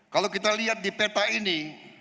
kalau kita lihat di peta ini